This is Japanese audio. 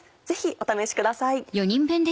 ぜひお試しください。